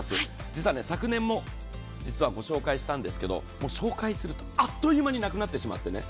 実は昨年もご紹介したんですけど紹介するとあっという間になくなってしまってね。